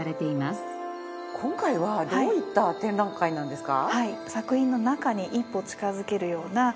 今回はどういった展覧会なんですか？